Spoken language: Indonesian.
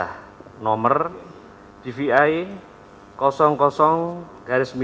dan yang dikira sebagai penumpang yang berada di jumat